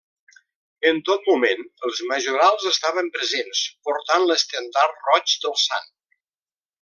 En tot moment els majorals estaven presents, portant l'estendard roig del sant.